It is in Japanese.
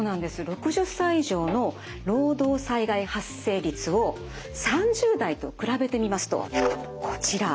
６０歳以上の労働災害発生率を３０代と比べてみますとこちら。